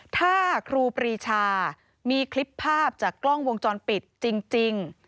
ถ้าครูปรีชามีคลิปภาพจากกล้องวงจรปิดจริง